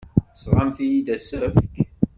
Tesɣamt-iyi-d asefk?!